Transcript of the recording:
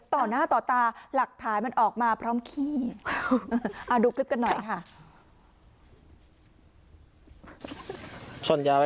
ต่อหน้าต่อตาหลักฐานมันออกมาพร้อมขี้ดูคลิปกันหน่อยค่ะ